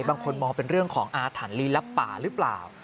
บางคนมองเป็นเรื่องของอาถรรพ์ลีลับป่าหรือเปล่า